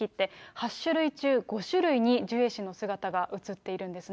８種類中５種類にジュエ氏の姿が写っているんですね。